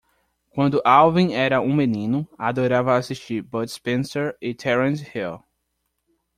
Quando Alvin era um menino, adorava assistir Bud Spencer e Terence Hill.